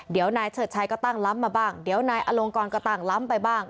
เดี๋ยวนายเฉิดชัยก็ตั้งล้ำมาบ้างเดี๋ยวนายอลงกรก็ตั้งล้ำไปบ้าง